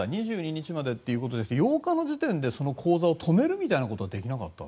２２日までということですが８日の時点で口座を止めることはできなかった？